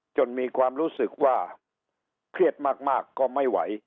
มีความรู้สึกว่าเครียดมากก็ไม่ไหว